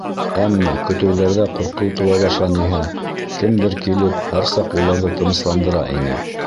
Әммә көтөүҙәрҙә ҡурҡыу тыуа башланиһә, кемдер килеп, һәр саҡ уларҙы тынысландыра ине.